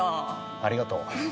ありがとう。